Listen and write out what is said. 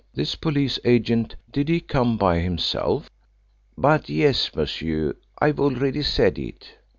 "This police agent, did he come by himself?" "But yes, monsieur, I have already said it."